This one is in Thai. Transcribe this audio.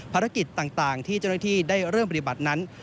ภารกิจต่างที่เจ้าหน้าที่ได้เริ่มปฏิบัตินั้น